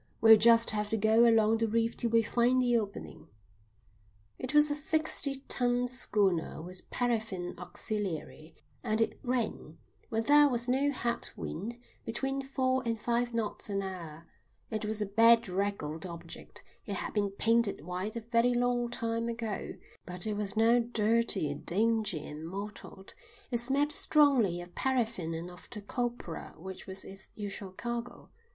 We'll just have to go along the reef till we find the opening." It was a seventy ton schooner with paraffin auxiliary, and it ran, when there was no head wind, between four and five knots an hour. It was a bedraggled object; it had been painted white a very long time ago, but it was now dirty, dingy, and mottled. It smelt strongly of paraffin and of the copra which was its usual cargo.